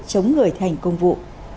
chống người thành công vụ